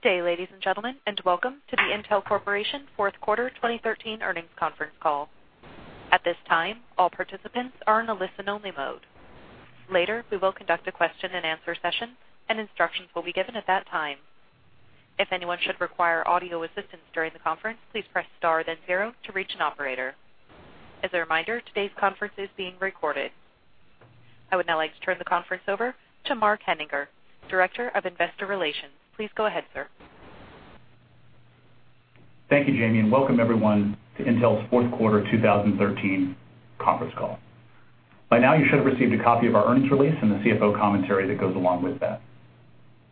Good day, ladies and gentlemen, and welcome to the Intel Corporation fourth quarter 2013 earnings conference call. At this time, all participants are in a listen-only mode. Later, we will conduct a question-and-answer session, and instructions will be given at that time. If anyone should require audio assistance during the conference, please press star then zero to reach an operator. As a reminder, today's conference is being recorded. I would now like to turn the conference over to Mark Henninger, Director of Investor Relations. Please go ahead, sir. Thank you, Jim, and welcome everyone to Intel's fourth quarter 2013 conference call. By now, you should have received a copy of our earnings release and the CFO commentary that goes along with that.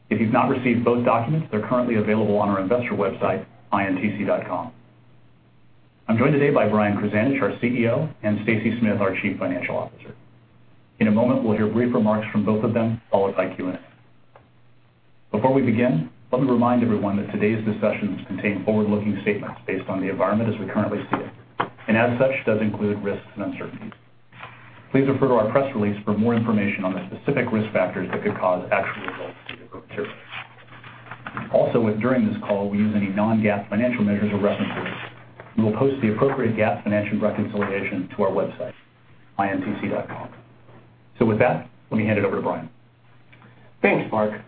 If you've not received both documents, they're currently available on our investor website, intc.com. I'm joined today by Brian Krzanich, our CEO, and Stacy Smith, our Chief Financial Officer. In a moment, we'll hear brief remarks from both of them, followed by Q&A. Before we begin, let me remind everyone that today's discussions contain forward-looking statements based on the environment as we currently see it, and as such, does include risks and uncertainties. Please refer to our press release for more information on the specific risk factors that could cause actual results to differ materially. Also, if during this call we use any non-GAAP financial measures or references, we will post the appropriate GAAP financial reconciliation to our website, intc.com. With that, let me hand it over to Brian. Thanks, Mark.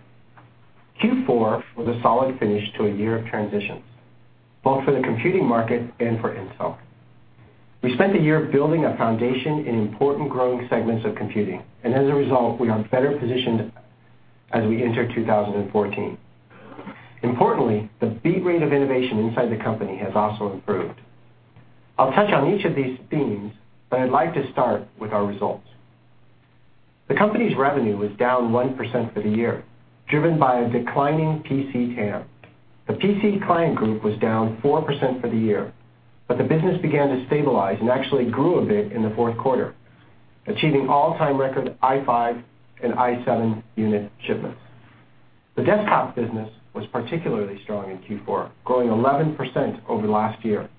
Q4 was a solid finish to a year of transitions, both for the computing market and for Intel. We spent the year building a foundation in important growing segments of computing, and as a result, we are better positioned as we enter 2014. Importantly, the beat rate of innovation inside the company has also improved. I'll touch on each of these themes, but I'd like to start with our results. The company's revenue was down 1% for the year, driven by a declining PC TAM. The PC Client Group was down 4% for the year, but the business began to stabilize and actually grew a bit in the fourth quarter, achieving all-time record Core i5 and Core i7 unit shipments. The desktop business was particularly strong in Q4, growing 11% over last year.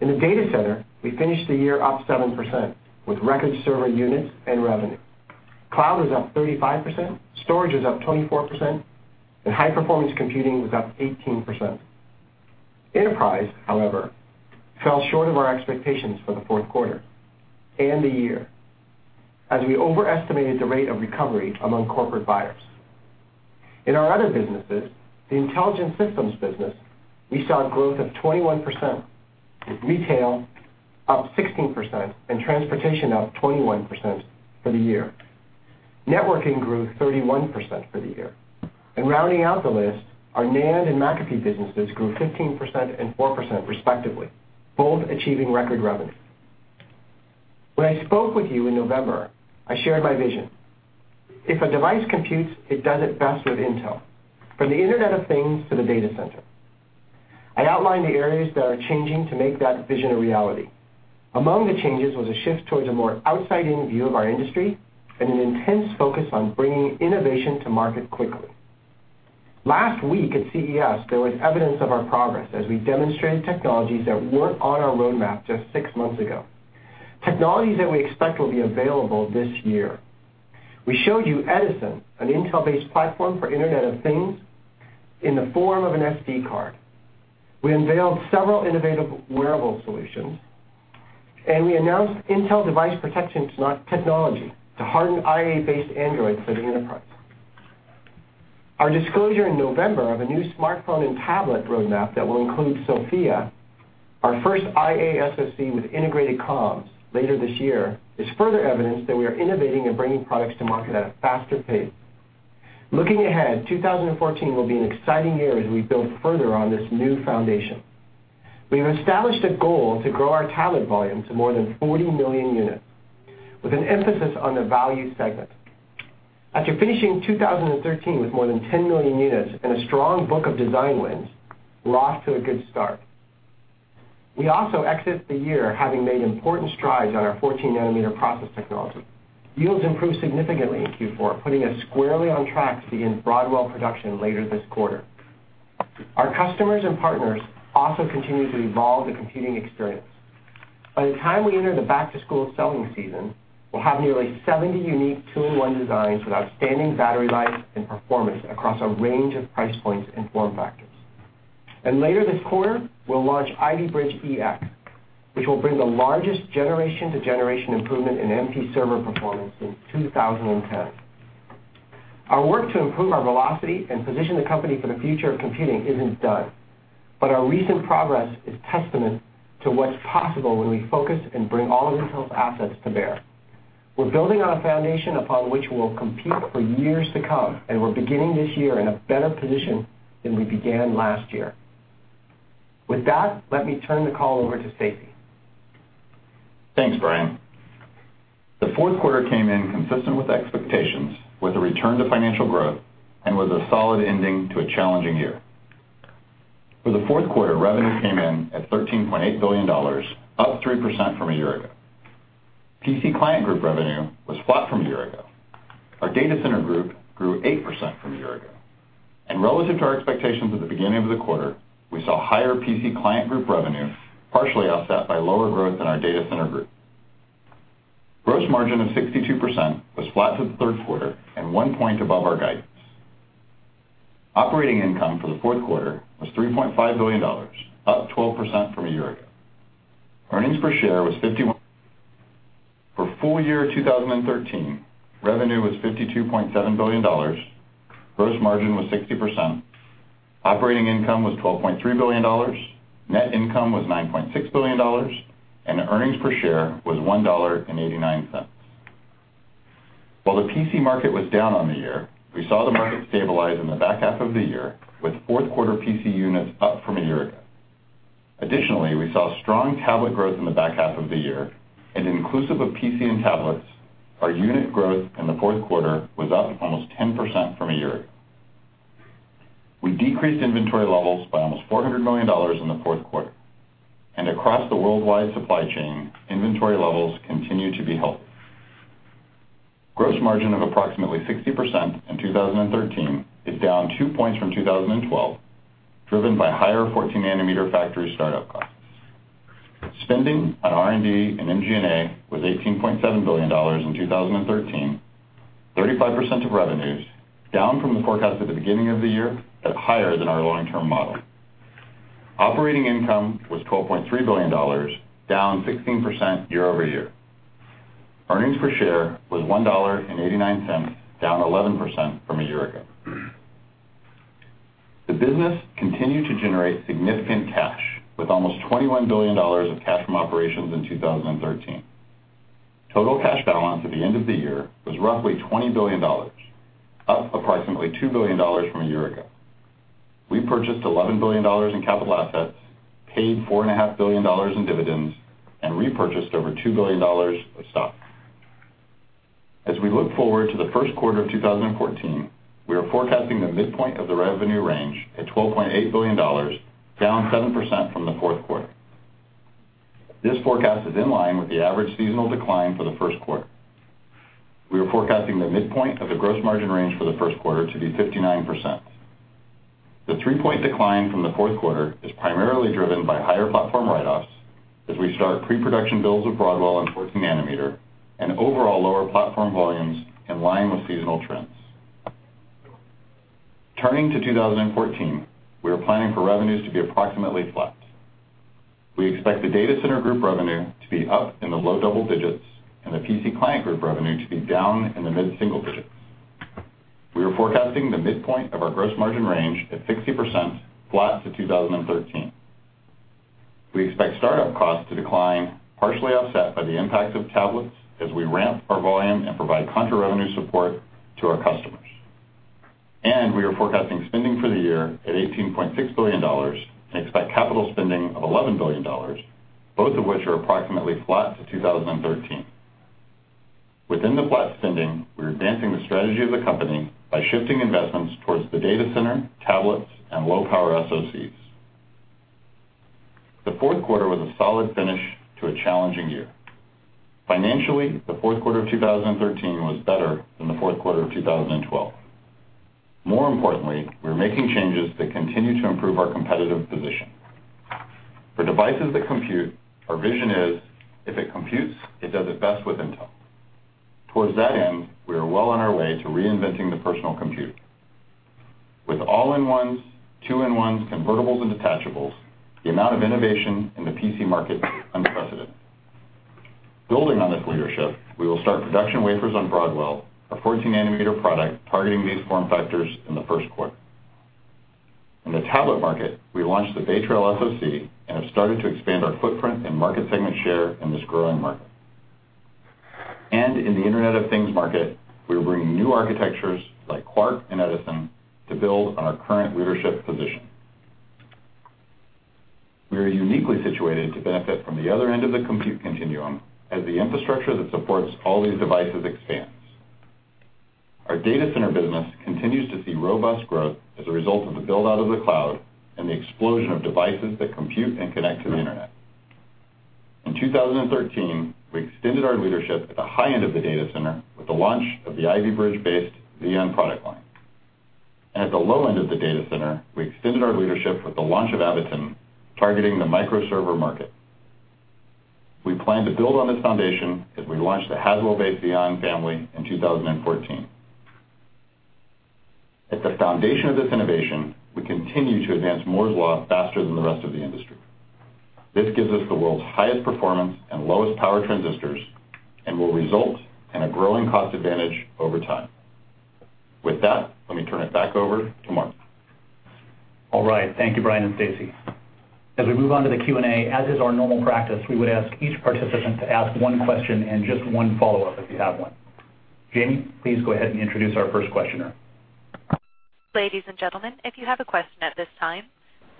In the Data Center, we finished the year up 7%, with record server units and revenue. Cloud was up 35%, storage was up 24%, and high-performance computing was up 18%. Enterprise, however, fell short of our expectations for the fourth quarter and the year, as we overestimated the rate of recovery among corporate buyers. In our other businesses, the Intelligent Systems business, we saw growth of 21%, with retail up 16% and transportation up 21% for the year. Networking grew 31% for the year. Rounding out the list, our NAND and McAfee businesses grew 15% and 4% respectively, both achieving record revenue. When I spoke with you in November, I shared my vision. If a device computes, it does it best with Intel, from the Internet of Things to the Data Center. I outlined the areas that are changing to make that vision a reality. Among the changes was a shift towards a more outside-in view of our industry and an intense focus on bringing innovation to market quickly. Last week at CES, there was evidence of our progress as we demonstrated technologies that weren't on our roadmap just six months ago, technologies that we expect will be available this year. We showed you Edison, an Intel-based platform for Internet of Things, in the form of an SD card. We unveiled several innovative wearable solutions, and we announced Intel device protection technology to harden IA-based Android for the enterprise. Our disclosure in November of a new smartphone and tablet roadmap that will include SoFIA, our first IA SoC with integrated comms later this year, is further evidence that we are innovating and bringing products to market at a faster pace. Looking ahead, 2014 will be an exciting year as we build further on this new foundation. We have established a goal to grow our tablet volume to more than 40 million units, with an emphasis on the value segment. After finishing 2013 with more than 10 million units and a strong book of design wins, we're off to a good start. We also exit the year having made important strides on our 14-nanometer process technology. Yields improved significantly in Q4, putting us squarely on track to begin Broadwell production later this quarter. Our customers and partners also continue to evolve the computing experience. By the time we enter the back-to-school selling season, we'll have nearly 70 unique two-in-one designs with outstanding battery life and performance across a range of price points and form factors. Later this quarter, we'll launch Ivy Bridge-EX, which will bring the largest generation-to-generation improvement in MP server performance since 2010. Our work to improve our velocity and position the company for the future of computing isn't done, but our recent progress is testament to what's possible when we focus and bring all of Intel's assets to bear. We're building on a foundation upon which we'll compete for years to come, and we're beginning this year in a better position than we began last year. With that, let me turn the call over to Stacy. Thanks, Brian. The fourth quarter came in consistent with expectations, with a return to financial growth, and was a solid ending to a challenging year. For the fourth quarter, revenue came in at $13.8 billion, up 3% from a year ago. PC Client Group revenue was flat from a year ago. Our Data Center Group grew 8% from a year ago. Relative to our expectations at the beginning of the quarter, we saw higher PC Client Group revenue, partially offset by lower growth in our Data Center Group. Gross margin of 62% was flat to the third quarter and one point above our guidance. Operating income for the fourth quarter was $3.5 billion, up 12% from a year ago. Earnings per share was $0.51. For full year 2013, revenue was $52.7 billion, gross margin was 60%, operating income was $12.3 billion, net income was $9.6 billion, and earnings per share was $1.89. While the PC market was down on the year, we saw the market stabilize in the back half of the year with fourth quarter PC units up from a year ago. Additionally, we saw strong tablet growth in the back half of the year, and inclusive of PC and tablets, our unit growth in the fourth quarter was up almost 10% from a year ago. We decreased inventory levels by almost $400 million in the fourth quarter. Across the worldwide supply chain, inventory levels continue to be healthy. Gross margin of approximately 60% in 2013 is down two points from 2012, driven by higher 14-nanometer factory startup costs. Spending on R&D and MG&A was $18.7 billion in 2013, 35% of revenues, down from the forecast at the beginning of the year, but higher than our long-term model. Operating income was $12.3 billion, down 16% year-over-year. Earnings per share was $1.89, down 11% from a year ago. The business continued to generate significant cash, with almost $21 billion of cash from operations in 2013. Total cash balance at the end of the year was roughly $20 billion, up approximately $2 billion from a year ago. We purchased $11 billion in capital assets, paid $4.5 billion in dividends, and repurchased over $2 billion of stock. As we look forward to the first quarter of 2014, we are forecasting the midpoint of the revenue range at $12.8 billion, down 7% from the fourth quarter. This forecast is in line with the average seasonal decline for the first quarter. We are forecasting the midpoint of the gross margin range for the first quarter to be 59%. The three-point decline from the fourth quarter is primarily driven by higher platform write-offs as we start pre-production builds of Broadwell and 14-nanometer, and overall lower platform volumes in line with seasonal trends. Turning to 2014, we are planning for revenues to be approximately flat. We expect the Data Center Group revenue to be up in the low double digits and the PC Client Group revenue to be down in the mid-single digits. We are forecasting the midpoint of our gross margin range at 60%, flat to 2013. We expect startup costs to decline, partially offset by the impact of tablets as we ramp our volume and provide contra revenue support to our customers. We are forecasting spending for the year at $18.6 billion and expect capital spending of $11 billion, both of which are approximately flat to 2013. Within the flat spending, we're advancing the strategy of the company by shifting investments towards the data center, tablets, and low-power SoCs. The fourth quarter was a solid finish to a challenging year. Financially, the fourth quarter of 2013 was better than the fourth quarter of 2012. More importantly, we're making changes that continue to improve our competitive position. For devices that compute, our vision is, if it computes, it does it best with Intel. Towards that end, we are well on our way to reinventing the personal computer. With all-in-ones, two-in-ones, convertibles, and detachables, the amount of innovation in the PC market is unprecedented. Building on this leadership, we will start production wafers on Broadwell, our 14-nanometer product targeting these form factors, in the first quarter. In the tablet market, we launched the Bay Trail SoC and have started to expand our footprint and market segment share in this growing market. In the Internet of Things market, we are bringing new architectures like Quark and Edison to build on our current leadership position. We are uniquely situated to benefit from the other end of the compute continuum as the infrastructure that supports all these devices expands. Our data center business continues to see robust growth as a result of the build-out of the cloud and the explosion of devices that compute and connect to the internet. In 2013, we extended our leadership at the high end of the data center with the launch of the Ivy Bridge-based Xeon product line. At the low end of the data center, we extended our leadership with the launch of Avoton, targeting the micro server market. We plan to build on this foundation as we launch the Haswell-based Xeon family in 2014. At the foundation of this innovation, we continue to advance Moore's Law faster than the rest of the industry. This gives us the world's highest performance and lowest power transistors and will result in a growing cost advantage over time. With that, let me turn it back over to Mark. All right. Thank you, Brian and Stacy. As we move on to the Q&A, as is our normal practice, we would ask each participant to ask one question and just one follow-up if you have one. Jamie, please go ahead and introduce our first questioner. Ladies and gentlemen, if you have a question at this time,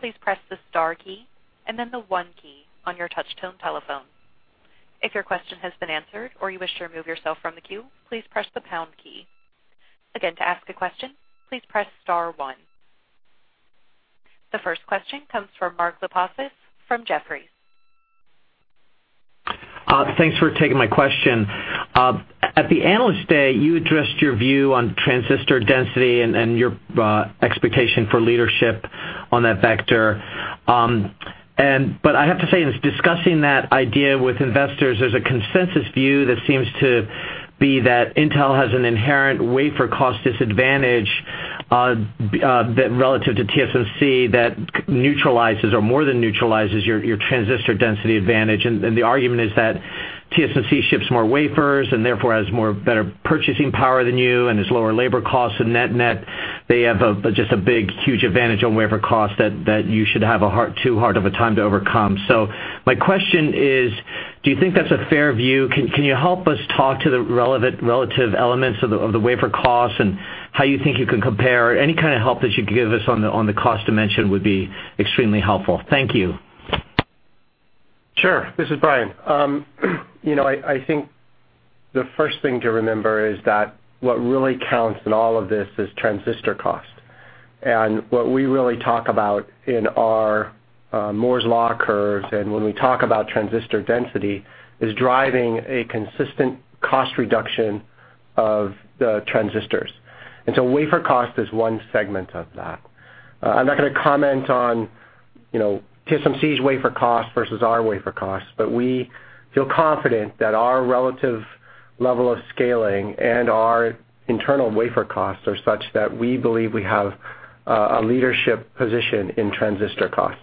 please press the star key and then the one key on your touch tone telephone. If your question has been answered or you wish to remove yourself from the queue, please press the pound key. Again, to ask a question, please press star one. The first question comes from Mark Lipacis from Jefferies. Thanks for taking my question. At the analyst day, you addressed your view on transistor density and your expectation for leadership on that vector. I have to say, in discussing that idea with investors, there's a consensus view that seems to be that Intel has an inherent wafer cost disadvantage relative to TSMC that neutralizes or more than neutralizes your transistor density advantage. The argument is that TSMC ships more wafers and therefore has more, better purchasing power than you and has lower labor costs, and net they have just a big, huge advantage on wafer cost that you should have too hard of a time to overcome. My question is: do you think that's a fair view? Can you help us talk to the relative elements of the wafer cost and how you think you can compare? Any kind of help that you can give us on the cost dimension would be extremely helpful. Thank you. Sure. This is Brian. I think the first thing to remember is that what really counts in all of this is transistor cost. What we really talk about in our Moore's Law curves and when we talk about transistor density is driving a consistent cost reduction of the transistors. Wafer cost is one segment of that. I'm not going to comment on TSMC's wafer cost versus our wafer cost, but we feel confident that our relative level of scaling and our internal wafer costs are such that we believe we have a leadership position in transistor cost.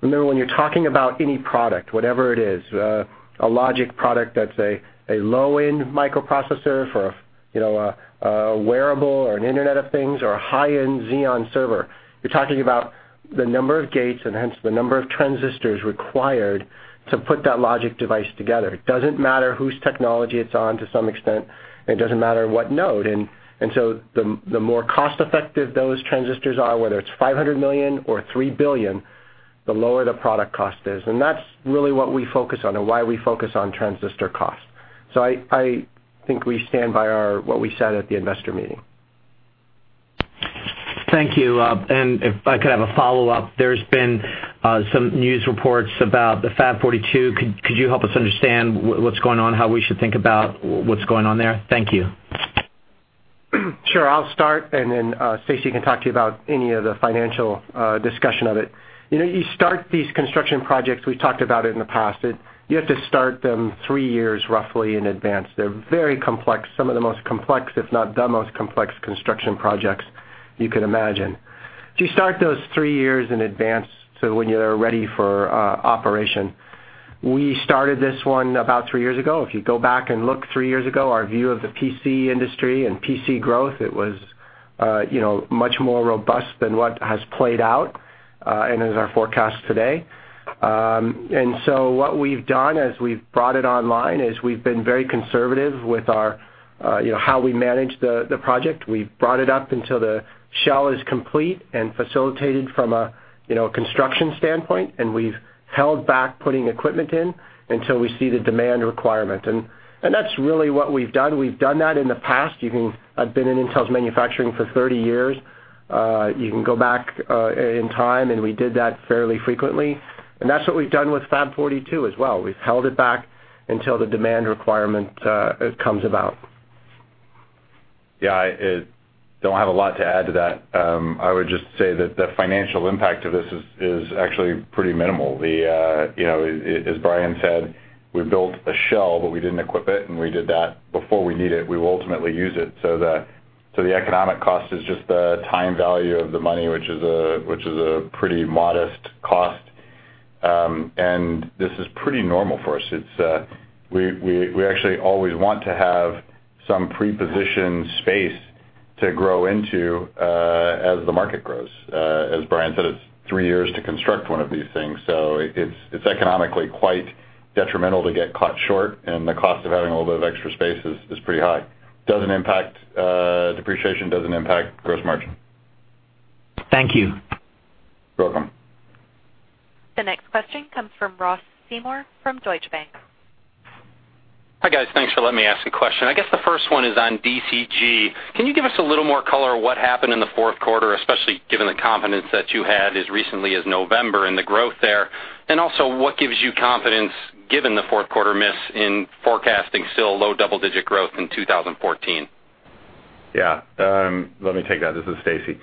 Remember, when you're talking about any product, whatever it is, a logic product that's a low-end microprocessor for a wearable or an Internet of Things or a high-end Xeon server, you're talking about the number of gates and hence the number of transistors required to put that logic device together. It doesn't matter whose technology it's on to some extent, it doesn't matter what node. The more cost-effective those transistors are, whether it's $500 million or $3 billion, the lower the product cost is. That's really what we focus on and why we focus on transistor cost. I think we stand by what we said at the investor meeting. Thank you. If I could have a follow-up. There's been some news reports about the Fab 42. Could you help us understand what's going on, how we should think about what's going on there? Thank you. Sure. I'll start, Stacy can talk to you about any of the financial discussion of it. You start these construction projects, we've talked about it in the past, you have to start them three years roughly in advance. They're very complex, some of the most complex, if not the most complex construction projects you can imagine. You start those three years in advance to when you're ready for operation. We started this one about three years ago. If you go back and look three years ago, our view of the PC industry and PC growth, it was much more robust than what has played out and is our forecast today. What we've done as we've brought it online is we've been very conservative with how we manage the project. We've brought it up until the shell is complete and facilitated from a construction standpoint, we've held back putting equipment in until we see the demand requirement. That's really what we've done. We've done that in the past. I've been in Intel's manufacturing for 30 years. You can go back in time, we did that fairly frequently. That's what we've done with Fab 42 as well. We've held it back until the demand requirement comes about. Yeah. I don't have a lot to add to that. I would just say that the financial impact of this is actually pretty minimal. As Brian said, we built a shell, but we didn't equip it, and we did that before we need it. We will ultimately use it. The economic cost is just the time value of the money, which is a pretty modest cost. This is pretty normal for us. We actually always want to have some pre-positioned space to grow into as the market grows. As Brian said, it's three years to construct one of these things, so it's economically quite detrimental to get caught short, and the cost of having a little bit of extra space is pretty high. Doesn't impact depreciation, doesn't impact gross margin. Thank you. You're welcome. The next question comes from Ross Seymore from Deutsche Bank. Hi, guys. Thanks for letting me ask a question. I guess the first one is on DCG. Can you give us a little more color on what happened in the fourth quarter, especially given the confidence that you had as recently as November and the growth there? What gives you confidence, given the fourth quarter miss in forecasting still low double-digit growth in 2014? Yeah. Let me take that. This is Stacy.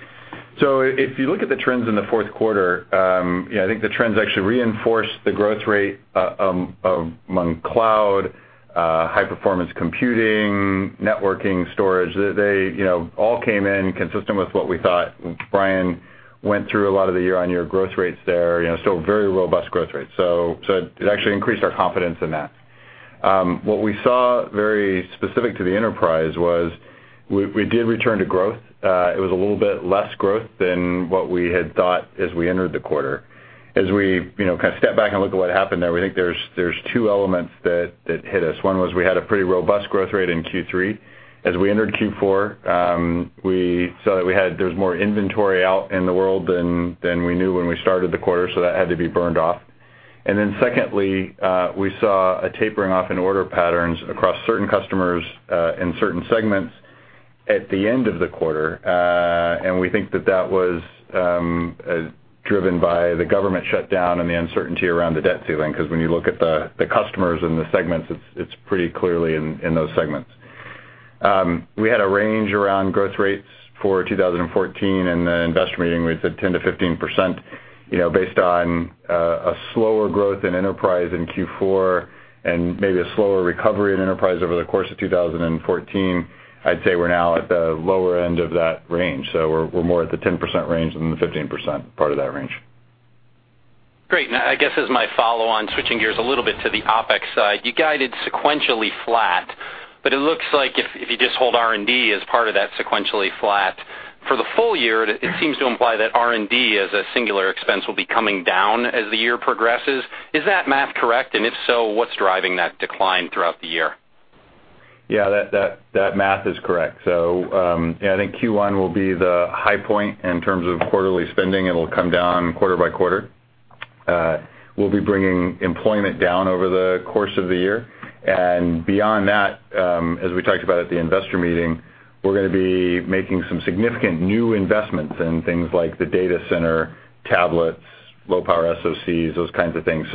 If you look at the trends in the fourth quarter, I think the trends actually reinforced the growth rate among cloud, high-performance computing, networking, storage. They all came in consistent with what we thought. Brian went through a lot of the year-on-year growth rates there. Still very robust growth rates. It actually increased our confidence in that. What we saw very specific to the enterprise was we did return to growth. It was a little bit less growth than what we had thought as we entered the quarter. We kind of step back and look at what happened there, we think there's two elements that hit us. One was we had a pretty robust growth rate in Q3. We entered Q4, we saw that there was more inventory out in the world than we knew when we started the quarter, so that had to be burned off. Secondly, we saw a tapering off in order patterns across certain customers in certain segments at the end of the quarter. We think that that was driven by the government shutdown and the uncertainty around the debt ceiling, because when you look at the customers and the segments, it's pretty clearly in those segments. We had a range around growth rates for 2014 in the investor meeting. We said 10%-15%, based on a slower growth in enterprise in Q4 and maybe a slower recovery in enterprise over the course of 2014. I'd say we're now at the lower end of that range, so we're more at the 10% range than the 15% part of that range. Great. I guess as my follow-on, switching gears a little bit to the OpEx side, you guided sequentially flat, but it looks like if you just hold R&D as part of that sequentially flat for the full year, it seems to imply that R&D as a singular expense will be coming down as the year progresses. Is that math correct? If so, what's driving that decline throughout the year? Yeah, that math is correct. I think Q1 will be the high point in terms of quarterly spending. It'll come down quarter by quarter. We'll be bringing employment down over the course of the year. Beyond that, as we talked about at the investor meeting, we're going to be making some significant new investments in things like the data center, tablets, low-power SoCs, those kinds of things.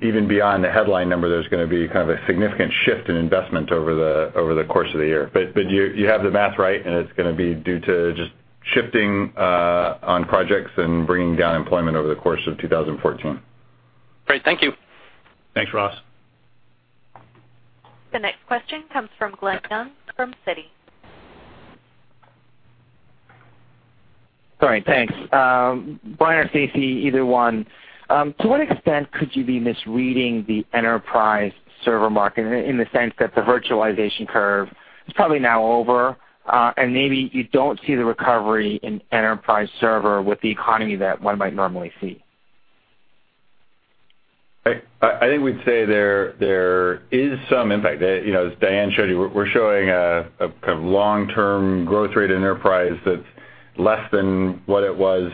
Even beyond the headline number, there's going to be a significant shift in investment over the course of the year. You have the math right, and it's going to be due to just shifting on projects and bringing down employment over the course of 2014. Great. Thank you. Thanks, Ross. The next question comes from Glen Yeung from Citi. Sorry, thanks. Brian or Stacy, either one. To what extent could you be misreading the enterprise server market in the sense that the virtualization curve is probably now over, and maybe you don't see the recovery in enterprise server with the economy that one might normally see? I think we'd say there is some impact. As Diane showed you, we're showing a long-term growth rate in enterprise that's less than what it was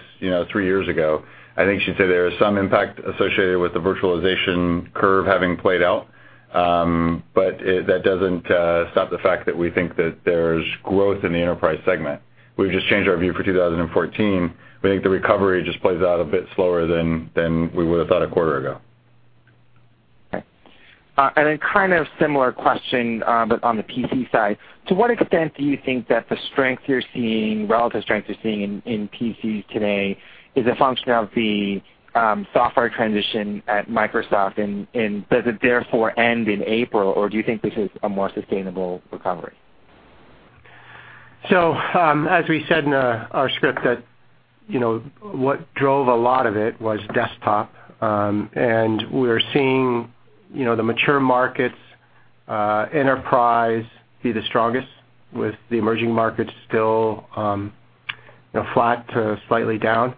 three years ago. I think she'd say there is some impact associated with the virtualization curve having played out. That doesn't stop the fact that we think that there's growth in the enterprise segment. We've just changed our view for 2014. We think the recovery just plays out a bit slower than we would've thought a quarter ago. Okay. Then kind of similar question, but on the PC side, to what extent do you think that the strength you're seeing, relative strength you're seeing in PCs today, is a function of the software transition at Microsoft? Does it therefore end in April, or do you think this is a more sustainable recovery? As we said in our script that what drove a lot of it was desktop. We're seeing the mature markets, enterprise be the strongest with the emerging markets still flat to slightly down.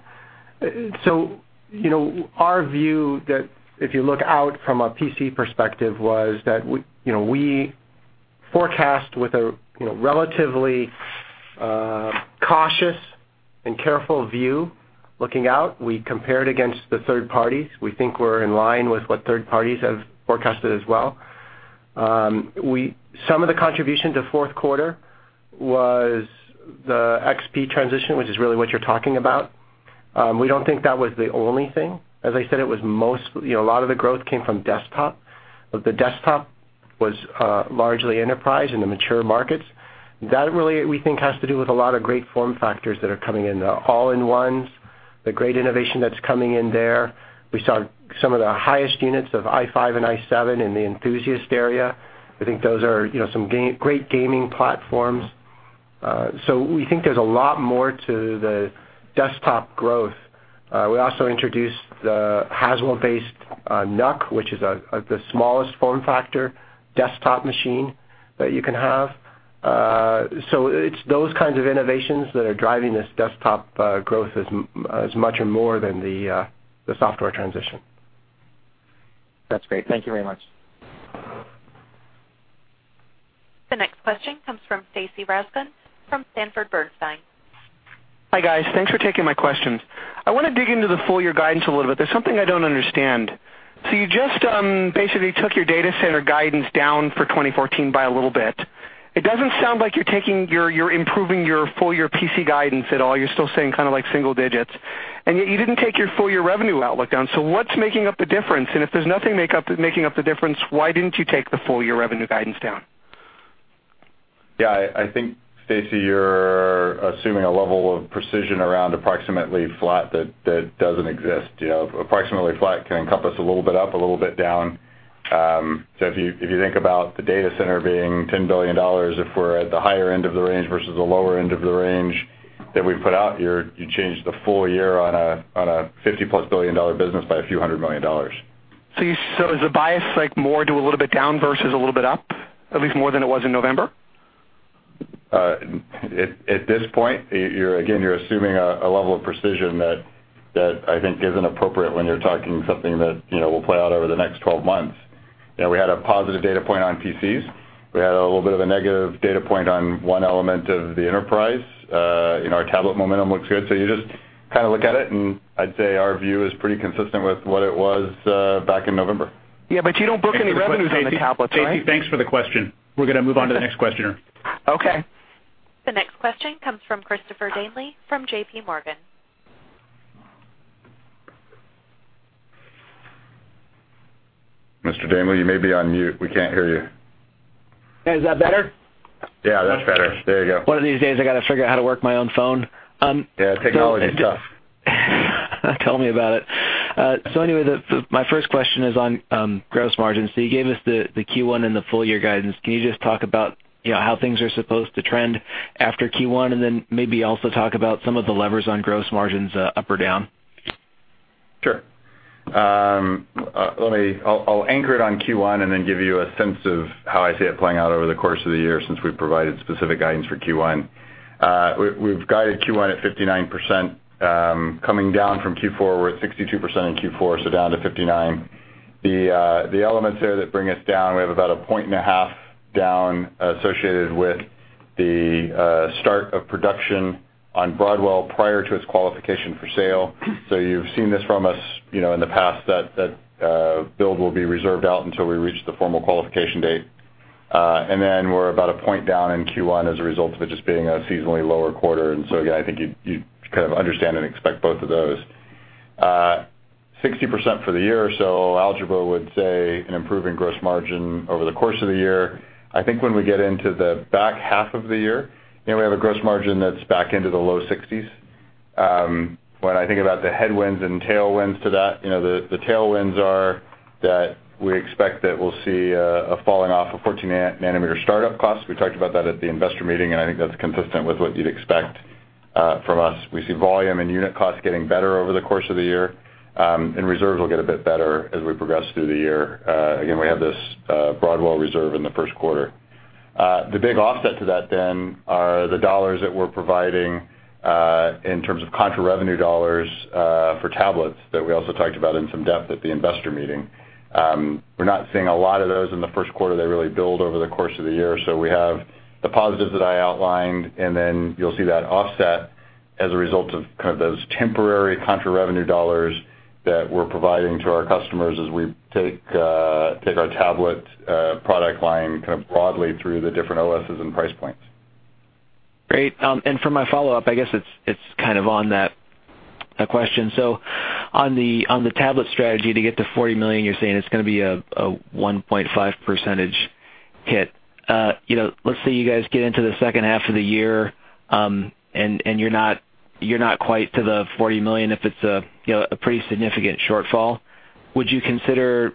Our view that if you look out from a PC perspective, was that we forecast with a relatively cautious and careful view looking out. We compared against the third parties. We think we're in line with what third parties have forecasted as well. Some of the contribution to fourth quarter was the XP transition, which is really what you're talking about. We don't think that was the only thing. As I said, a lot of the growth came from desktop, but the desktop was largely enterprise in the mature markets. That really, we think, has to do with a lot of great form factors that are coming in. The all-in-ones, the great innovation that's coming in there. We saw some of the highest units of Core i5 and Core i7 in the enthusiast area. I think those are some great gaming platforms. We think there's a lot more to the desktop growth. We also introduced the Haswell-based NUC, which is the smallest form factor desktop machine that you can have. It's those kinds of innovations that are driving this desktop growth as much or more than the software transition. That's great. Thank you very much. The next question comes from Stacy Rasgon from Sanford Bernstein. Hi, guys. Thanks for taking my questions. I want to dig into the full-year guidance a little bit. There's something I don't understand. You just basically took your Data Center guidance down for 2014 by a little bit. It doesn't sound like you're improving your full-year PC guidance at all. You're still saying single digits, yet you didn't take your full-year revenue outlook down. What's making up the difference? If there's nothing making up the difference, why didn't you take the full-year revenue guidance down? Yeah, I think, Stacy, you're assuming a level of precision around approximately flat that doesn't exist. Approximately flat can encompass a little bit up, a little bit down. If you think about the Data Center being $10 billion, if we're at the higher end of the range versus the lower end of the range that we've put out, you change the full year on a $50-plus billion business by a few hundred million. Is the bias more to a little bit down versus a little bit up, at least more than it was in November? At this point, again, you're assuming a level of precision that I think isn't appropriate when you're talking something that will play out over the next 12 months. We had a positive data point on PCs. We had a little bit of a negative data point on one element of the enterprise. Our tablet momentum looks good. You just look at it, I'd say our view is pretty consistent with what it was back in November. Yeah, you don't book any revenue on the tablets, right? Stacy, thanks for the question. We're going to move on to the next questioner. Okay. The next question comes from Christopher Danely from J.P. Morgan. Mr. Danely, you may be on mute. We can't hear you. Is that better? Yeah, that's better. There you go. One of these days, I got to figure out how to work my own phone. Yeah, technology's tough. Tell me about it. Anyway, my first question is on gross margins. You gave us the Q1 and the full-year guidance. Can you just talk about how things are supposed to trend after Q1, and then maybe also talk about some of the levers on gross margins up or down? Sure. I'll anchor it on Q1 and then give you a sense of how I see it playing out over the course of the year, since we've provided specific guidance for Q1. We've guided Q1 at 59%, coming down from Q4. We're at 62% in Q4, so down to 59. The elements there that bring us down, we have about a point and a half down associated with the start of production on Broadwell prior to its qualification for sale. You've seen this from us in the past, that build will be reserved out until we reach the formal qualification date. Then we're about a point down in Q1 as a result of it just being a seasonally lower quarter. Yeah, I think you'd understand and expect both of those. 60% for the year or so, algebra would say an improving gross margin over the course of the year. I think when we get into the back half of the year, we have a gross margin that's back into the low 60s. When I think about the headwinds and tailwinds to that, the tailwinds are that we expect that we'll see a falling off of 14-nanometer startup costs. We talked about that at the investor meeting, and I think that's consistent with what you'd expect from us. We see volume and unit costs getting better over the course of the year, and reserves will get a bit better as we progress through the year. Again, we have this Broadwell reserve in the first quarter. The big offset to that are the $ that we're providing in terms of $ contra revenue for tablets that we also talked about in some depth at the investor meeting. We're not seeing a lot of those in the first quarter. They really build over the course of the year. We have the positives that I outlined, and then you'll see that offset as a result of those temporary $ contra revenue that we're providing to our customers as we take our tablet product line broadly through the different OS's and price points. Great. For my follow-up, I guess it's on that question. On the tablet strategy to get to 40 million, you're saying it's going to be a 1.5% hit. Let's say you guys get into the second half of the year, and you're not quite to the 40 million, if it's a pretty significant shortfall. Would you consider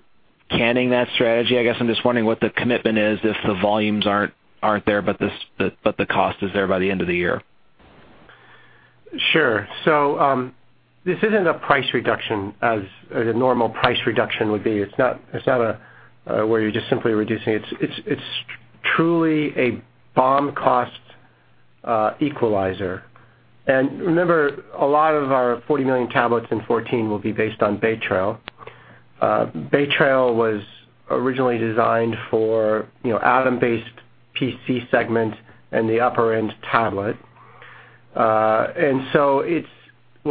canning that strategy? I guess I'm just wondering what the commitment is if the volumes aren't there, but the cost is there by the end of the year. Sure. This isn't a price reduction as a normal price reduction would be. It's not where you're just simply reducing. It's truly a BOM cost equalizer. Remember, a lot of our 40 million tablets in 2014 will be based on Bay Trail. Bay Trail was originally designed for Atom-based PC segment and the upper-end tablet. What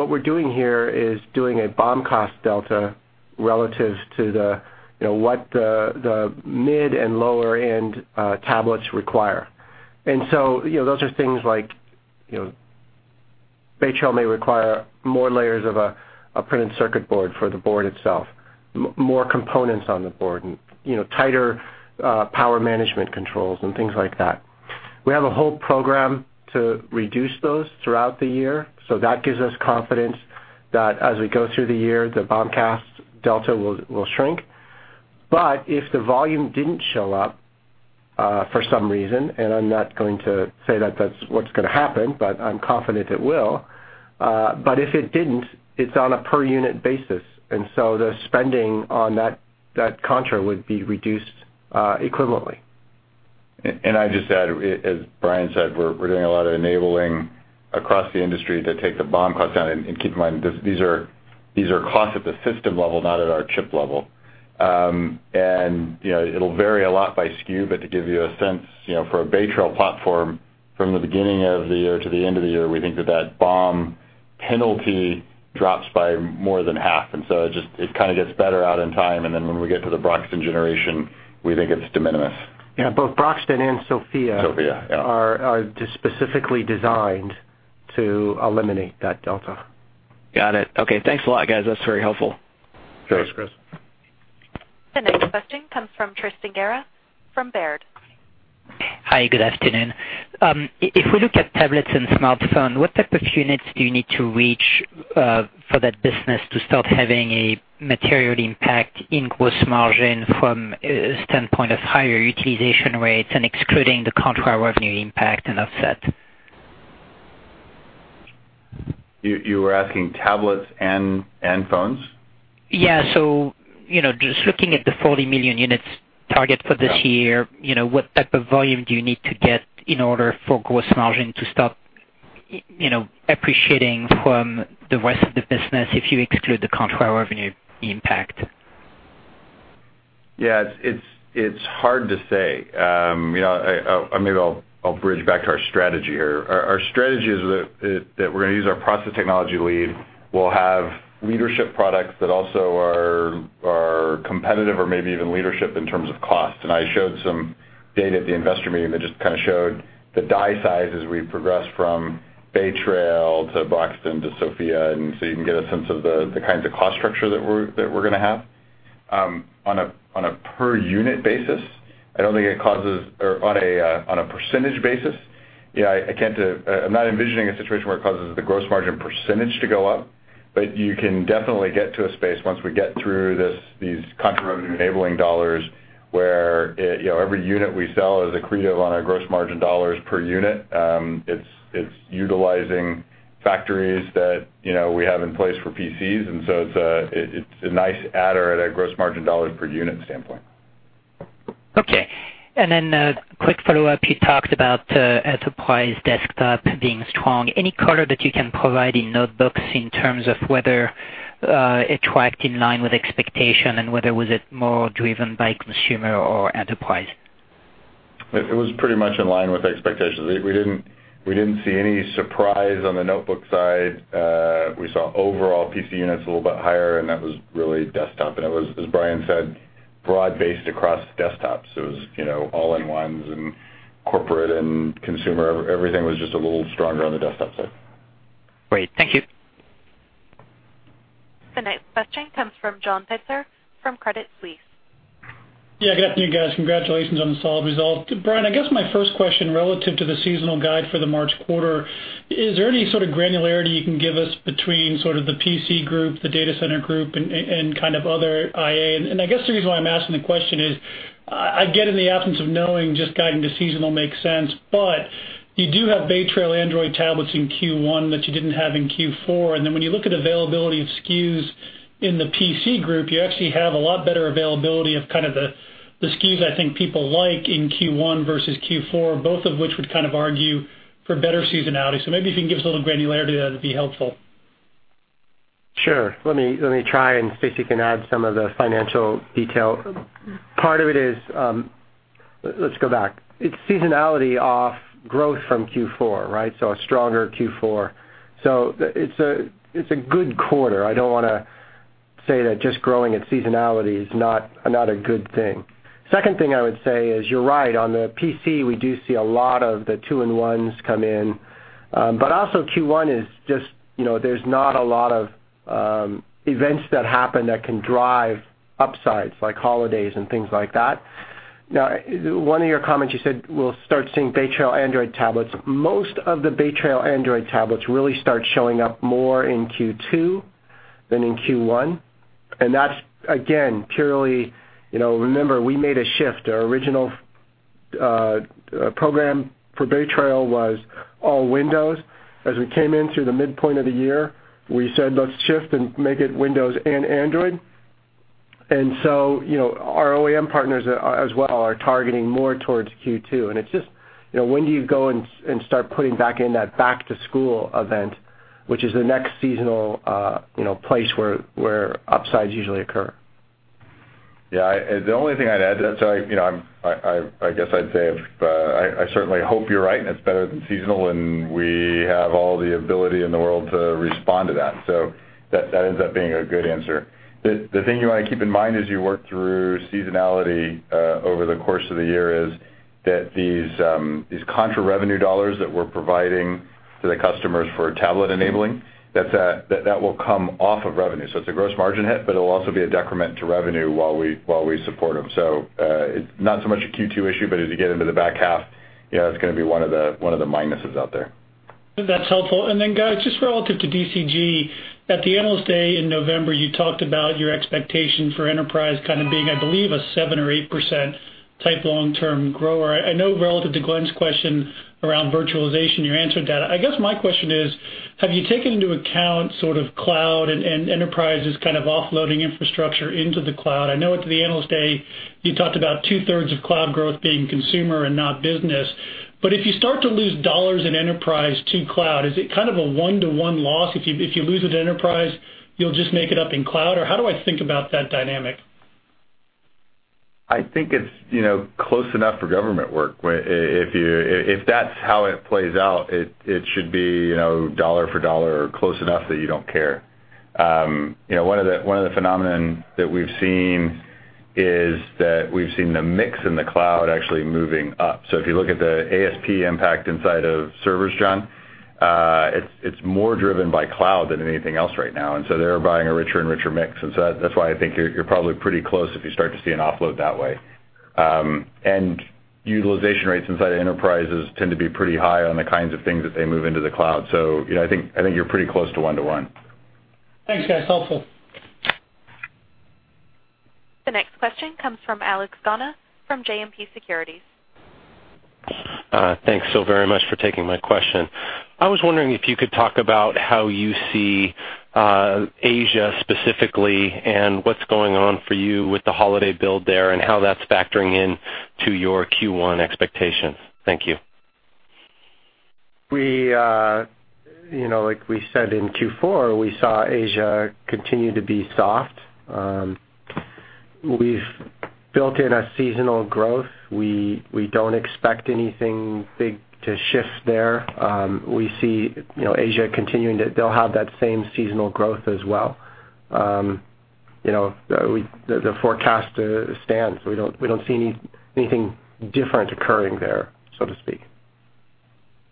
we're doing here is doing a BOM cost delta relative to what the mid and lower-end tablets require. Those are things like Bay Trail may require more layers of a printed circuit board for the board itself, more components on the board, and tighter power management controls, and things like that. We have a whole program to reduce those throughout the year, so that gives us confidence that as we go through the year, the BOM cost delta will shrink. If the volume didn't show up for some reason, and I'm not going to say that that's what's going to happen, but I'm confident it will. If it didn't, it's on a per-unit basis, the spending on that contra would be reduced equivalently. I'd just add, as Brian said, we're doing a lot of enabling across the industry to take the BOM cost down. Keep in mind, these are costs at the system level, not at our chip level. It'll vary a lot by SKU, but to give you a sense, for a Bay Trail platform, from the beginning of the year to the end of the year, we think that that BOM penalty drops by more than half. It just gets better out in time, and then when we get to the Broxton generation, we think it's de minimis. Yeah, both Broxton and SoFIA- SoFIA, yeah are just specifically designed to eliminate that delta. Got it. Okay, thanks a lot, guys. That's very helpful. Sure. Thanks, Chris. The next question comes from Tristan Gerra from Baird. Hi, good afternoon. If we look at tablets and smartphone, what type of units do you need to reach for that business to start having a material impact in gross margin from a standpoint of higher utilization rates and excluding the contra revenue impact and offset? You were asking tablets and phones? Yeah. Just looking at the 40 million units target for this year. Yeah What type of volume do you need to get in order for gross margin to stop appreciating from the rest of the business if you exclude the contra revenue impact? Yeah. It's hard to say. Maybe I'll bridge back to our strategy here. Our strategy is that we're gonna use our process technology lead. We'll have leadership products that also are competitive or maybe even leadership in terms of cost. I showed some data at the investor meeting that just showed the die size as we progress from Bay Trail to Broxton to SoFIA, you can get a sense of the kinds of cost structure that we're gonna have. On a per unit basis, I don't think it causes or on a percentage basis, I'm not envisioning a situation where it causes the gross margin percentage to go up. You can definitely get to a space once we get through these contra revenue enabling dollars where every unit we sell is accretive on our gross margin dollars per unit. It's utilizing factories that we have in place for PCs. It's a nice adder at a gross margin dollar per unit standpoint. Okay. A quick follow-up. You talked about enterprise desktop being strong. Any color that you can provide in notebooks in terms of whether it tracked in line with expectation and whether was it more driven by consumer or enterprise? It was pretty much in line with expectations. We didn't see any surprise on the notebook side. We saw overall PC units a little bit higher, that was really desktop. It was, as Brian said, broad-based across desktops. It was all-in-ones and corporate and consumer. Everything was just a little stronger on the desktop side. Great. Thank you. The next question comes from John Pitzer from Credit Suisse. Yeah, good afternoon, guys. Congratulations on the solid result. Brian, I guess my first question, relative to the seasonal guide for the March quarter, is there any sort of granularity you can give us between sort of the PC Client Group, the Data Center Group, and kind of other IA? I guess the reason why I'm asking the question is, I get in the absence of knowing, just guiding to seasonal makes sense, but you do have Bay Trail Android tablets in Q1 that you didn't have in Q4. Then when you look at availability of SKUs in the PC Client Group, you actually have a lot better availability of kind of the SKUs I think people like in Q1 versus Q4, both of which would kind of argue for better seasonality. Maybe if you can give us a little granularity, that'd be helpful. Sure. Let me try and see if you can add some of the financial detail. Part of it is, let's go back. It's seasonality off growth from Q4, right? A stronger Q4. It's a good quarter. I don't want to say that just growing at seasonality is not a good thing. Second thing I would say is, you're right. On the PC, we do see a lot of the 2-in-1s come in. Also Q1 is just, there's not a lot of events that happen that can drive upsides, like holidays and things like that. One of your comments, you said we'll start seeing Bay Trail Android tablets. Most of the Bay Trail Android tablets really start showing up more in Q2 than in Q1. That's, again, purely, remember, we made a shift. Our original program for Bay Trail was all Windows. As we came in through the midpoint of the year, we said, "Let's shift and make it Windows and Android." Our OEM partners as well are targeting more towards Q2. It's just, when do you go and start putting back in that back-to-school event, which is the next seasonal place where upsides usually occur. Yeah. The only thing I'd add to that, I guess I'd say I certainly hope you're right and it's better than seasonal, and we have all the ability in the world to respond to that. That ends up being a good answer. The thing you want to keep in mind as you work through seasonality over the course of the year is that these contra revenue dollars that we're providing to the customers for tablet enabling, that will come off of revenue. It's a gross margin hit, but it'll also be a decrement to revenue while we support them. It's not so much a Q2 issue, but as you get into the back half, it's going to be one of the minuses out there. That's helpful. Then, guys, just relative to DCG, at the Analyst Day in November, you talked about your expectation for enterprise kind of being, I believe, a 7% or 8% type long-term grower. I know relative to Glen's question around virtualization, you answered that. I guess my question is, have you taken into account sort of cloud and enterprises kind of offloading infrastructure into the cloud? I know at the Analyst Day, you talked about two-thirds of cloud growth being consumer and not business. If you start to lose dollars in enterprise to cloud, is it kind of a one-to-one loss? If you lose it to enterprise, you'll just make it up in cloud? How do I think about that dynamic? I think it's close enough for government work. If that's how it plays out, it should be dollar for dollar or close enough that you don't care. One of the phenomenon that we've seen is that we've seen the mix in the cloud actually moving up. If you look at the ASP impact inside of servers, John, it's more driven by cloud than anything else right now. They're buying a richer and richer mix. That's why I think you're probably pretty close if you start to see an offload that way. Utilization rates inside of enterprises tend to be pretty high on the kinds of things that they move into the cloud. I think you're pretty close to one to one. Thanks, guys. Helpful. The next question comes from Alex Gauna from JMP Securities. Thanks so very much for taking my question. I was wondering if you could talk about how you see Asia specifically, and what's going on for you with the holiday build there and how that's factoring into your Q1 expectations. Thank you. Like we said in Q4, we saw Asia continue to be soft. We've built in a seasonal growth. We don't expect anything big to shift there. We see Asia continuing to-- they'll have that same seasonal growth as well. The forecast stands. We don't see anything different occurring there, so to speak.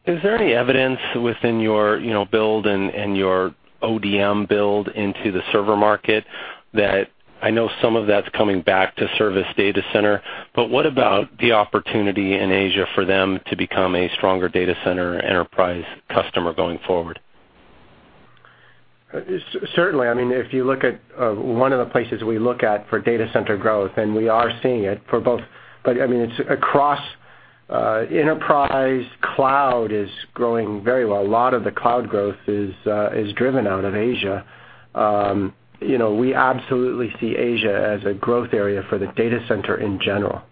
Is there any evidence within your build and your ODM build into the server market that, I know some of that's coming back to service data center, but what about the opportunity in Asia for them to become a stronger data center enterprise customer going forward? Certainly. If you look at one of the places we look at for data center growth, and we are seeing it for both. It's across enterprise, cloud is growing very well. A lot of the cloud growth is driven out of Asia. We absolutely see Asia as a growth area for the data center in general.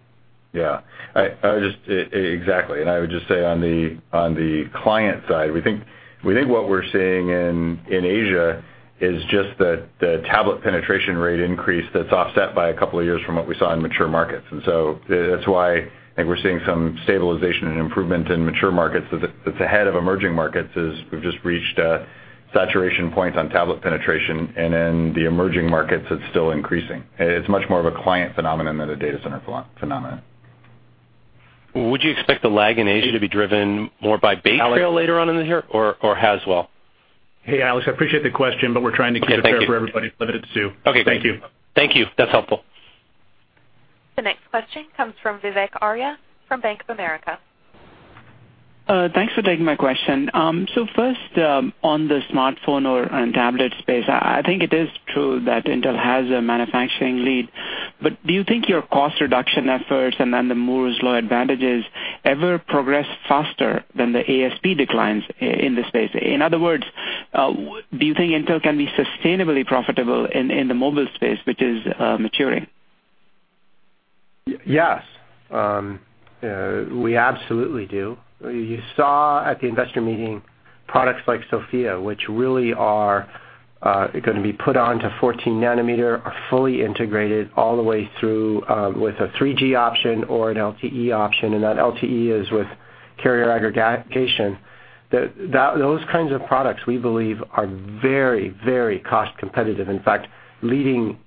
Yeah. Exactly. I would just say on the client side, we think what we're seeing in Asia is just the tablet penetration rate increase that's offset by a couple of years from what we saw in mature markets. That's why I think we're seeing some stabilization and improvement in mature markets that's ahead of emerging markets, is we've just reached a saturation point on tablet penetration, and in the emerging markets, it's still increasing. It's much more of a client phenomenon than a data center phenomenon. Would you expect the lag in Asia to be driven more by Bay Trail later on in the year or Haswell? Hey, Alex, I appreciate the question, we're trying to give it fair for everybody. Yeah, thank you. Limited to. Okay. Thank you. Thank you. That's helpful. The next question comes from Vivek Arya from Bank of America. Thanks for taking my question. First, on the smartphone or tablet space, I think it is true that Intel has a manufacturing lead. Do you think your cost reduction efforts and then the Moore's Law advantages ever progress faster than the ASP declines in this space? In other words, do you think Intel can be sustainably profitable in the mobile space, which is maturing? Yes. We absolutely do. You saw at the investor meeting products like SoFIA, which really are going to be put onto 14-nanometer, are fully integrated all the way through, with a 3G option or an LTE option, and that LTE is with carrier aggregation. Those kinds of products, we believe, are very cost competitive. In fact, leading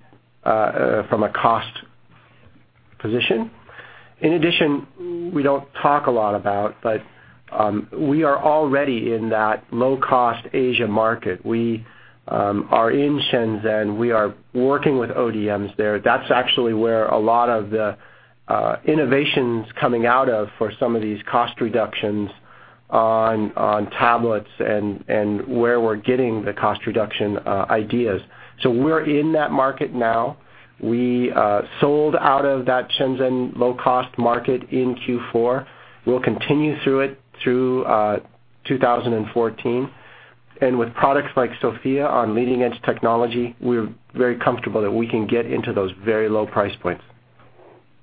from a cost position. In addition, we don't talk a lot about, but we are already in that low-cost Asia market. We are in Shenzhen. We are working with ODMs there. That's actually where a lot of the innovation's coming out of for some of these cost reductions on tablets and where we're getting the cost reduction ideas. We're in that market now. We sold out of that Shenzhen low-cost market in Q4. We'll continue through it through 2014. With products like SoFIA on leading-edge technology, we're very comfortable that we can get into those very low price points.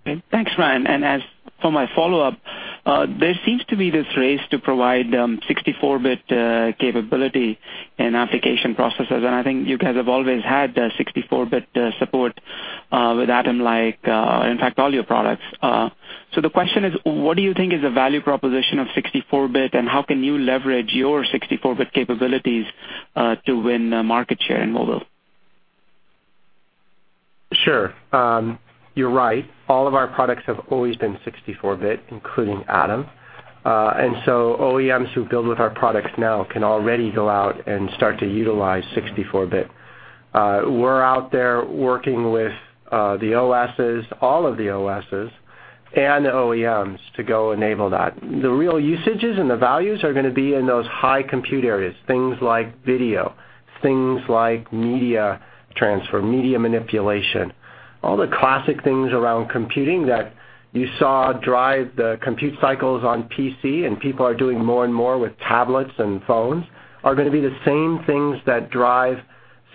Okay. Thanks, Brian. As for my follow-up, there seems to be this race to provide 64-bit capability in application processors, and I think you guys have always had the 64-bit support with Atom like, in fact, all your products. The question is, what do you think is the value proposition of 64-bit, and how can you leverage your 64-bit capabilities to win market share in mobile? Sure. You're right. All of our products have always been 64-bit, including Atom. OEMs who build with our products now can already go out and start to utilize 64-bit. We're out there working with the OSs, all of the OSs and OEMs to go enable that. The real usages and the values are going to be in those high compute areas, things like video, things like media transfer, media manipulation. All the classic things around computing that you saw drive the compute cycles on PC and people are doing more and more with tablets and phones are going to be the same things that drive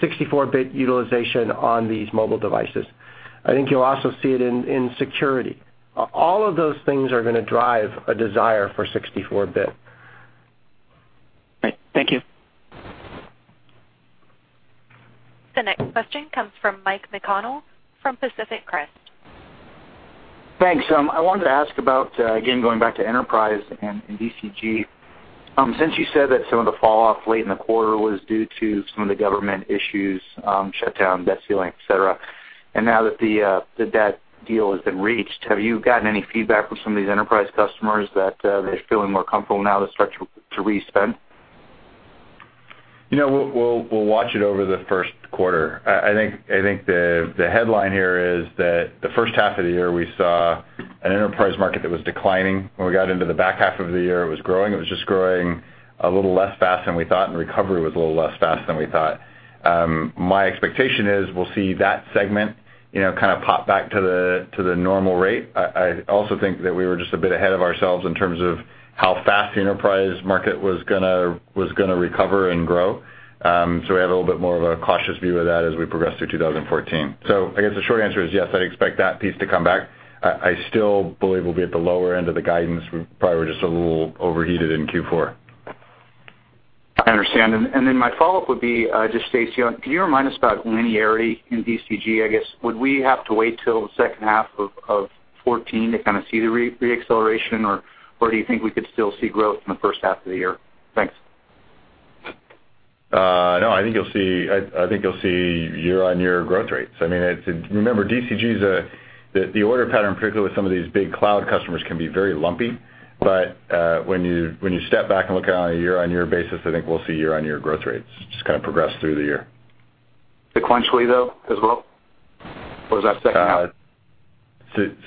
64-bit utilization on these mobile devices. I think you'll also see it in security. All of those things are going to drive a desire for 64-bit. Great. Thank you. The next question comes from Mike McConnell from Pacific Crest. Thanks. I wanted to ask about, again, going back to enterprise and DCG. Since you said that some of the fall-off late in the quarter was due to some of the government issues, shutdown, debt ceiling, et cetera, and now that the debt deal has been reached, have you gotten any feedback from some of these enterprise customers that they're feeling more comfortable now to start to re-spend? The headline here is that the first half of the year, we saw an enterprise market that was declining. We got into the back half of the year, it was growing. It was just growing a little less fast than we thought, and recovery was a little less fast than we thought. My expectation is we'll see that segment pop back to the normal rate. We were just a bit ahead of ourselves in terms of how fast the enterprise market was going to recover and grow. We have a little bit more of a cautious view of that as we progress through 2014. The short answer is yes, I'd expect that piece to come back. I still believe we'll be at the lower end of the guidance. We probably were just a little overheated in Q4. I understand. My follow-up would be, just Stacy, can you remind us about linearity in DCG, I guess? Would we have to wait till the second half of 2014 to see the re-acceleration, or do you think we could still see growth in the first half of the year? Thanks. You'll see year-on-year growth rates. Remember DCG, the order pattern, particularly with some of these big cloud customers, can be very lumpy. When you step back and look at it on a year-on-year basis, we'll see year-on-year growth rates just progress through the year. Sequentially, though, as well? Is that second half?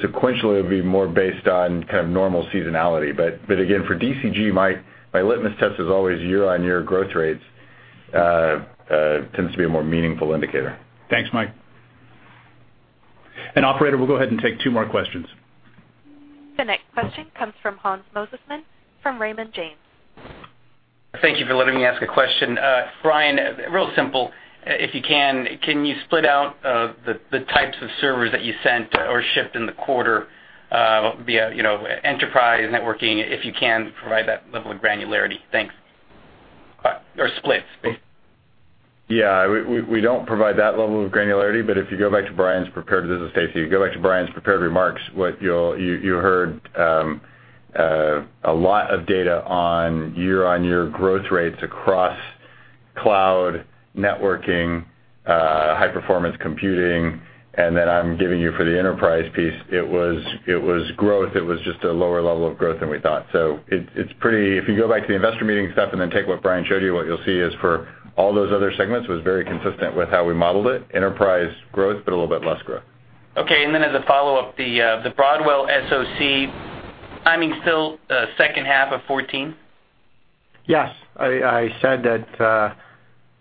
Sequentially would be more based on normal seasonality. Again, for DCG, my litmus test is always year-on-year growth rates, tends to be a more meaningful indicator. Thanks, Mike. Operator, we'll go ahead and take two more questions. The next question comes from Hans Mosesmann from Raymond James. Thank you for letting me ask a question. Brian, real simple. If you can you split out the types of servers that you sent or shipped in the quarter via enterprise networking, if you can provide that level of granularity? Thanks. Or split. Yeah. We don't provide that level of granularity, but if you go back to Brian's prepared-- This is Stacy. You go back to Brian's prepared remarks, what you heard a lot of data on year-on-year growth rates across cloud networking, high-performance computing, and then I'm giving you for the enterprise piece, it was growth, it was just a lower level of growth than we thought. If you go back to the investor meeting stuff and then take what Brian showed you, what you'll see is for all those other segments was very consistent with how we modeled it. Enterprise growth, a little bit less growth. Okay. As a follow-up, the Broadwell SoC timing still second half of 2014? Yes. I said that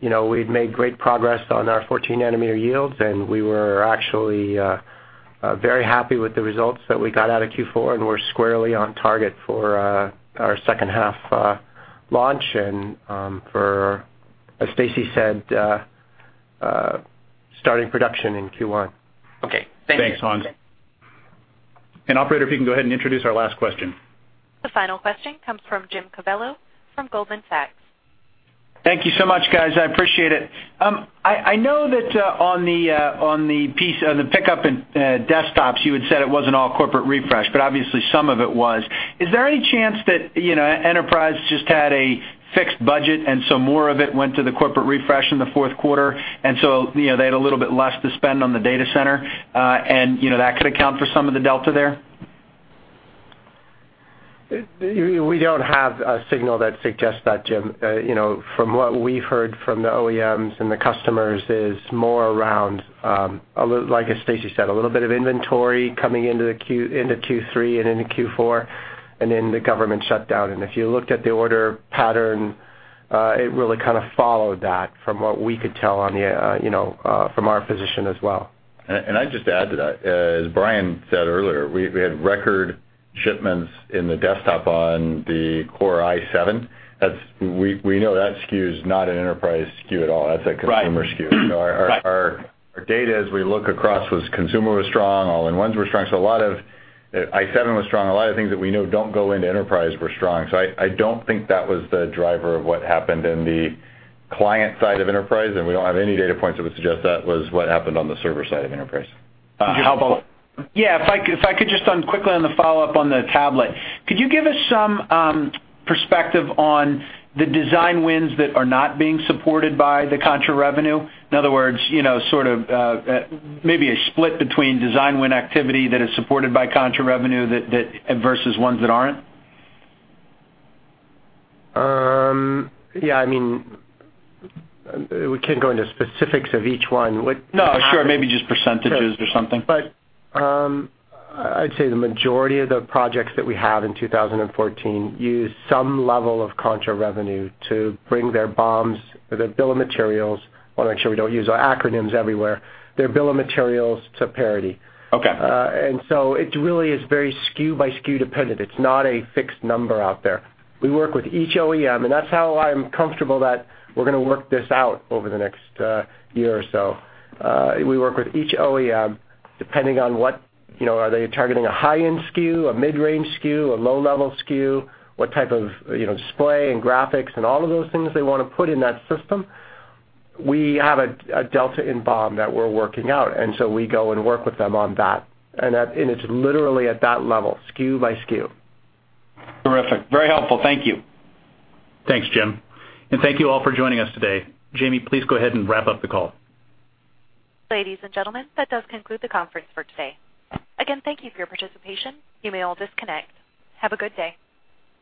we've made great progress on our 14-nanometer yields. We were actually very happy with the results that we got out of Q4. We're squarely on target for our second half launch and for, as Stacy said, starting production in Q1. Okay. Thank you. Thanks, Hans. Operator, if you can go ahead and introduce our last question. The final question comes from Jim Covello from Goldman Sachs. Thank you so much, guys. I appreciate it. I know that on the pickup in desktops, you had said it wasn't all corporate refresh, but obviously some of it was. Is there any chance that enterprise just had a fixed budget and so more of it went to the corporate refresh in the fourth quarter, and so they had a little bit less to spend on the data center, and that could account for some of the delta there? We don't have a signal that suggests that, Jim. From what we've heard from the OEMs and the customers is more around, like as Stacy said, a little bit of inventory coming into Q3 and into Q4, then the government shutdown. If you looked at the order pattern, it really followed that from what we could tell from our position as well. I'd just add to that, as Brian said earlier, we had record shipments in the desktop on the Core i7. We know that SKU's not an enterprise SKU at all. That's a consumer SKU. Right. Our data as we look across was consumer was strong, all-in-ones were strong. A lot of i7 was strong. A lot of things that we know don't go into enterprise were strong. I don't think that was the driver of what happened in the client side of enterprise, and we don't have any data points that would suggest that was what happened on the server side of the enterprise. Could you help out? Yeah, if I could just quickly on the follow-up on the tablet. Could you give us some perspective on the design wins that are not being supported by the contra revenue? In other words, sort of maybe a split between design win activity that is supported by contra revenue versus ones that aren't. Yeah. We can't go into specifics of each one. No, sure. Maybe just percentages or something. I'd say the majority of the projects that we have in 2014 use some level of contra revenue to bring their BOMs or their bill of materials, want to make sure we don't use our acronyms everywhere, their bill of materials to parity. Okay. It really is very SKU-by-SKU dependent. It's not a fixed number out there. We work with each OEM, and that's how I'm comfortable that we're going to work this out over the next year or so. We work with each OEM, depending on what, are they targeting a high-end SKU, a mid-range SKU, a low-level SKU? What type of display and graphics and all of those things they want to put in that system. We have a delta in BOM that we're working out, and so we go and work with them on that. It's literally at that level, SKU by SKU. Terrific. Very helpful. Thank you. Thanks, Jim. Thank you all for joining us today. Jamie, please go ahead and wrap up the call. Ladies and gentlemen, that does conclude the conference for today. Again, thank you for your participation. You may all disconnect. Have a good day.